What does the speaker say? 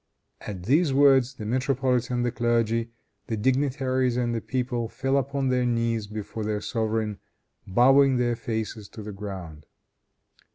At these words the metropolitan, the clergy, the dignitaries and the people fell upon their knees before their sovereign, bowing their faces to the ground.